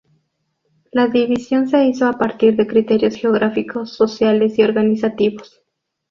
La división se hizo a partir de criterios geográficos, sociales y organizativos.